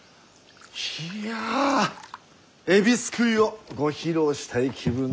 いや海老すくいをご披露したい気分でござ。